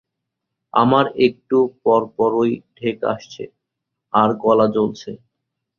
আমার একটু পরপরই ঢেক আসছে আর গলা জ্বলছে।